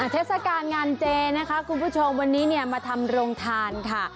เทศกาลงานเจนะคะคุณผู้ชมวันนี้เนี่ยมาทำโรงทานค่ะ